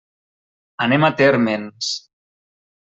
Anem a Térmens.